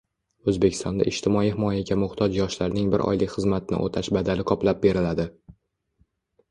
O‘zbekistonda ijtimoiy himoyaga muhtoj yoshlarning bir oylik xizmatni o‘tash badali qoplab beriladi